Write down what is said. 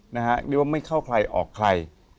เรียกว่าไม่เข้าใครออกใคร